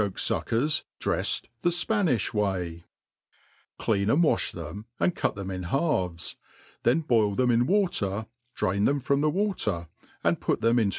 357 Jrtichshe^ Suckers dreffid the Spanijh Way* CLEAN and wafh them, and cut them in halves \ thenWiI them in water, drain them from the water, and put them into.